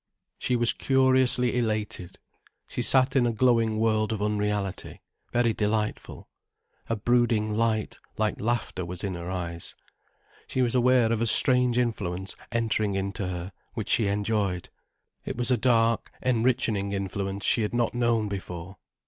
She was curiously elated. She sat in a glowing world of unreality, very delightful. A brooding light, like laughter, was in her eyes. She was aware of a strange influence entering in to her, which she enjoyed. It was a dark enrichening influence she had not known before.